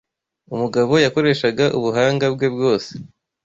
Umugabo yakoreshaga ubuhanga bwe bwose